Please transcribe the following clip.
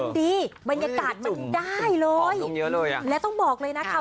มันดีบรรยากาศมันได้เลยหอมลงเยอะเลยอ่ะและต้องบอกเลยนะคะ